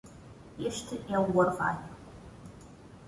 Este é o orvalho.